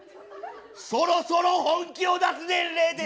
そろそろ本気を出す年齢です。